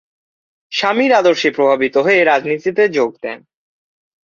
স্বামীর আদর্শে প্রভাবিত হয়ে রাজনীতিতে যোগ দেন।